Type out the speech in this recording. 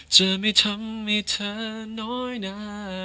จะไม่ทำให้เธอน้อยนะ